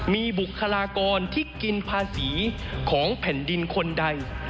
มีบุคลากรที่กินภาษีของแผ่นดินคนใด